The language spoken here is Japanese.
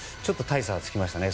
大差がつきましたね。